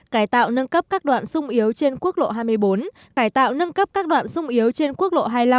cải tạo nâng cấp các đoạn sung yếu trên quốc lộ hai mươi bốn cải tạo nâng cấp các đoạn sung yếu trên quốc lộ hai mươi năm